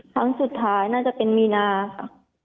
ครั้งสุดท้ายน่าจะเป็นมีนาค่ะ